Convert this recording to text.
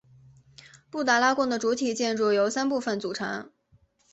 布达拉宫的主体建筑由三部分组成。